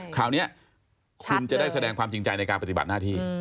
คราวนี้คุณจะได้แสดงความจริงใจในการปฏิบัติหน้าที่